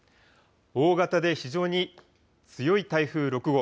大型で非常に強い台風６号。